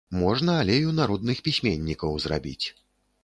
Можна алею народных пісьменнікаў зрабіць.